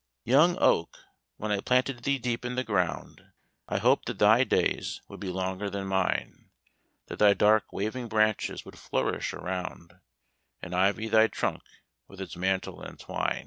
"Young oak, when I planted thee deep in the ground, I hoped that thy days would be longer than mine, That thy dark waving branches would flourish around, And ivy thy trunk with its mantle entwine.